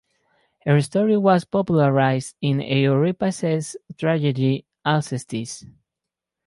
Her story was popularized in Euripides's tragedy "Alcestis".